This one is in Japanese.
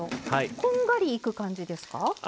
こんがりいく感じですか？